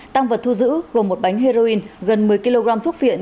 tăng vật thu giữ gồm một bánh heroin gần một mươi kg thuốc viện